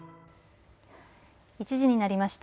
１時になりました。